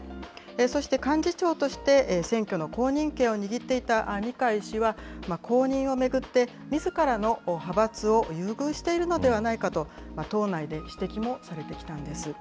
そして幹事長として、選挙の公認権を握っていた二階氏は公認を巡って、みずからの派閥を優遇しているのではないかと、党内で指摘もされてきたんです。